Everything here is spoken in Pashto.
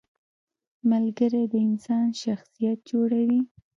• ملګری د انسان شخصیت جوړوي.